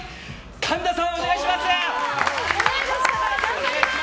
神田さん、お願いします！